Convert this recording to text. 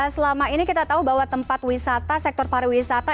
selama ini kita tahu bahwa tempat wisata sektor pariwisata